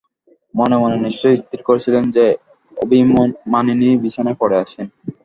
মনে মনে নিশ্চয় স্থির করেছিলেন যে, অভিমানিনী বিছানায় পড়ে আছেন।